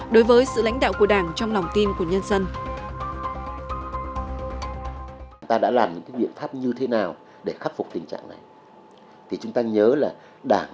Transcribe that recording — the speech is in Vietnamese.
đối với sự lãnh đạo của đảng trong lòng tin của nhân dân